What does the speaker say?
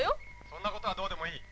「そんなことはどうでもいい。